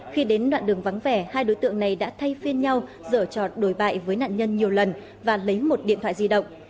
khi đến đoạn đường vắng vẻ hai đối tượng này đã thay phiên nhau dởt đồi bại với nạn nhân nhiều lần và lấy một điện thoại di động